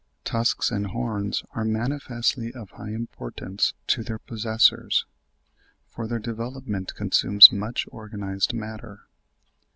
Tusks and horns are manifestly of high importance to their possessors, for their development consumes much organised matter.